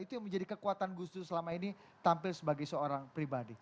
itu yang menjadi kekuatan gus dur selama ini tampil sebagai seorang pribadi